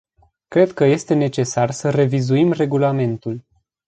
Cred că este necesar să revizuim regulamentul.